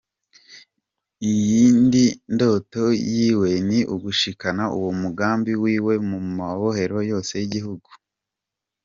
Iyindi ndoto yiwe ni ugushikana uwo mugambi wiwe mu mabohero yose y'igihugu.